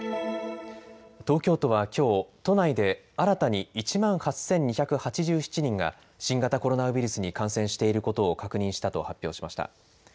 東京都はきょう、都内で新たに、１万８２８７人が新型コロナウイルスに感染していることを確認したと発表しました。